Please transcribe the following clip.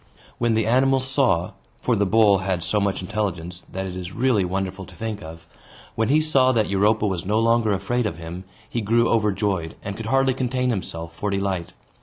When the animal saw (for the bull had so much intelligence that it is really wonderful to think of), when he saw that Europa was no longer afraid of him, he grew overjoyed, and could hardly contain himself for delight.